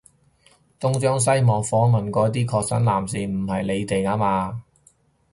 東張西望訪問嗰啲確診男士唔係你哋吖嘛？